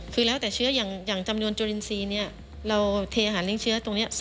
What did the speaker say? คือแล้วแต่เชื้ออย่างจำนวนจุลินทรีย์เนี่ยเราเทอาหารเลี้ยเชื้อตรงนี้